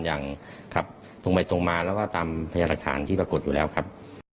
ส่งไปส่งมาแล้วก็ตามแพงหลักศาญที่ปรากฏอยู่แล้วครับ